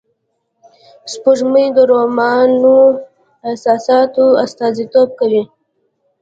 سپوږمۍ د رومانوی احساساتو استازیتوب کوي